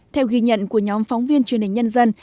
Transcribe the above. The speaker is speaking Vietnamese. theo ghi nhận của nhóm phóng viên truyền hình nhân dân